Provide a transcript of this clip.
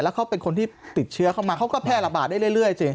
เขาเป็นคนที่ติดเชื้อเข้ามาเขาก็แพร่ระบาดได้เรื่อยสิ